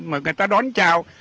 mà người ta đón chào